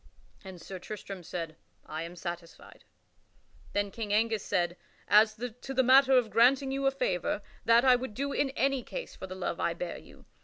And Sir Tristram said, "I am satisfied." Then King Angus said: "As to the matter of granting you a favor, that I would do in any case for the love I bear you.